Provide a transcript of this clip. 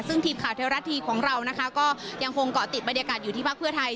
ซึ่งทีมข่าวเทวรัฐทีของเรานะคะก็ยังคงเกาะติดบรรยากาศอยู่ที่พักเพื่อไทย